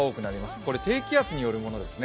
これ低気圧によるものですね。